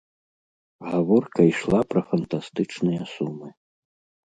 Гаворка ішла пра фантастычныя сумы.